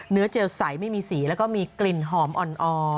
เจลใสไม่มีสีแล้วก็มีกลิ่นหอมอ่อน